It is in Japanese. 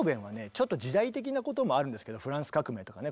ちょっと時代的なこともあるんですけどフランス革命とかね